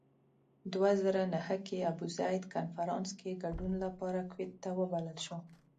دوه زره نهه کې ابوزید کنفرانس کې ګډون لپاره کویت ته وبلل شو.